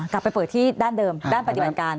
กลับไปเปิดที่ด้านเดิมด้านปฏิบัติการ